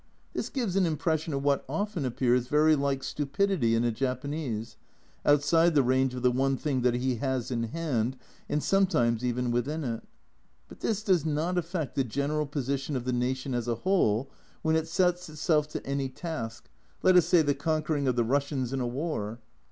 This gives an impression of what often appears very like stupidity in a Japanese, outside the range of the one thing that he has in hand, and sometimes even within it. But this does not affect the general position of the nation as a whole when it sets itself to any task, A Journal from Japan 269 let us say the conquering of the Russians in a war.